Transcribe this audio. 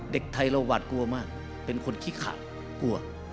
เด็กไทยเราหวาดกลัวมากเป็นคนขี้ขาดกลัว